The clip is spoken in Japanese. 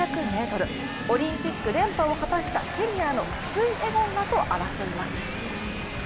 オリンピック連覇を果たしたケニアのキプイエゴンと争います。